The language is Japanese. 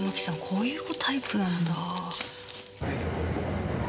こういう子タイプなんだぁ。